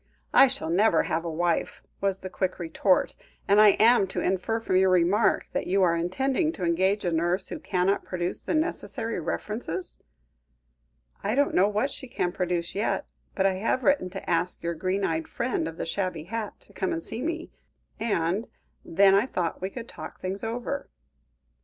"I shall never have a wife," was the quick retort, "and am I to infer from your remark that you are intending to engage a nurse who cannot produce the necessary references?" "I don't know what she can produce yet, but I have written to ask your green eyed friend of the shabby hat, to come and see me, and then I thought we could talk things over."